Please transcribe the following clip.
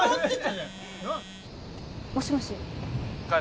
もしもし☎楓